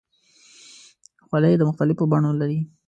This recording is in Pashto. خولۍ د مختلفو بڼو لري.